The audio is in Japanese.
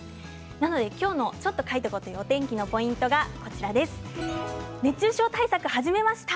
なので今日の「ちょっと書いとこ！」というお天気のポイントは熱中症対策始めました。